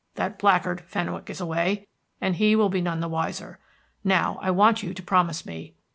That blackguard Fenwick is away, and he will be none the wiser. Now, I want you to promise me."